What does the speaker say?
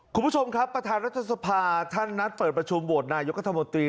คุณผู้ชมครับประธานรัฐสภาท่านนัดเปิดประชุมโหวตนายกัธมนตรี